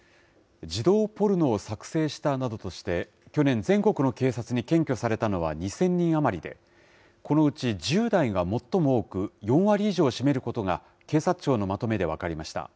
児童ポルノを作成したなどとして、去年、全国の警察に検挙されたのは２０００人余りで、このうち１０代が最も多く、４割以上を占めることが、警察庁のまとめで分かりました。